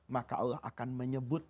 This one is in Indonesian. maka allah akan menyebut